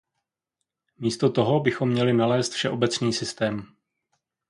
Místo toho bychom měli nalézt všeobecný systém.